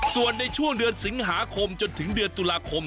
ส่วนในช่วงเดือนสิงหาคมจนถึงเดือนตุลาคม